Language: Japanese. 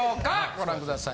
ご覧ください。